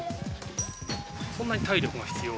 そんなに体力が必要？